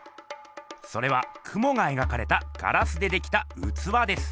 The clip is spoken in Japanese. それはクモが描かれたガラスでできたうつわです。